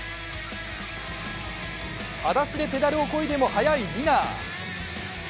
はだしでペダルをこいでも速いニナー。